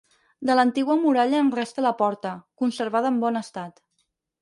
De l'antiga muralla en resta la porta, conservada en bon estat.